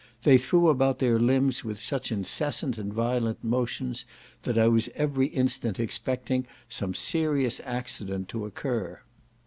They threw about their limbs with such incessant and violent motions, that I was every instant expecting some serious accident to occur.